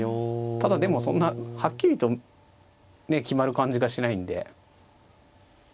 ただでもそんなはっきりと決まる感じがしないんで。